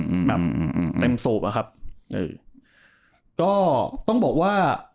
อืมเอ่อแบบเต็มโซปเออครับเอียวก็ต้องบอกว่า